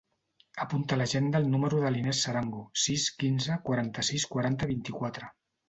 Apunta a l'agenda el número de l'Inés Sarango: sis, quinze, quaranta-sis, quaranta, vint-i-quatre.